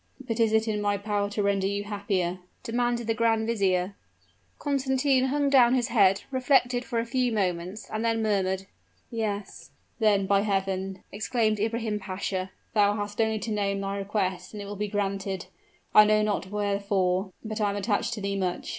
"But is it in my power to render you happier?" demanded the grand vizier. Constantine hung down his head reflected for a few moments, and then murmured "Yes." "Then, by Heaven!" exclaimed Ibrahim Pasha, "thou hast only to name thy request, and it will be granted. I know not wherefore, but I am attached to thee much.